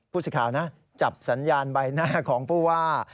สิทธิ์ข่าวนะจับสัญญาณใบหน้าของผู้ว่า